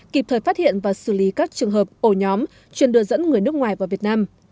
kịp thời phát hiện và xử lý các trường hợp ổ nhóm chuyên đưa dẫn người nước ngoài vào việt nam